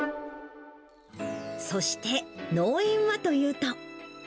そして、農園はというと。